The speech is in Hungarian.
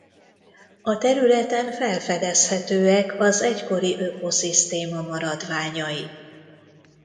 A területen felfedezhetőek az egykori ökoszisztéma maradványai.